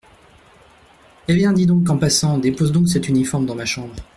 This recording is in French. Eh ! bien, dis donc, en passant, dépose donc cet uniforme dans ma chambre…